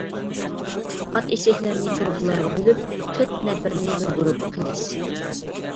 ئات-ئېشەكلەرنى گۇرۇپپىلارغا بۆلۈپ، تۆت نەپىرىنى بىر گۇرۇپپا قىلىش.